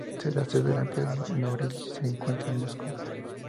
La sede de la empresa Norilsk se encuentra en Moscú.